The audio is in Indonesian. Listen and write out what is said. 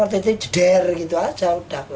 jadi jeder gitu aja udah